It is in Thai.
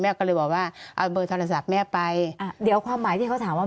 ก็เลยบอกว่าเอาเบอร์โทรศัพท์แม่ไปอ่าเดี๋ยวความหมายที่เขาถามว่า